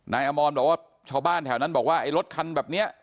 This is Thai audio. นายอมอมบอกว่าชาวบ้านแถวนั้นบอกว่ารถคันแบบเนี่ย